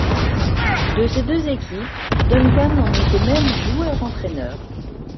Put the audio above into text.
De ces deux équipes, Duncan en était même joueur-entraîneur.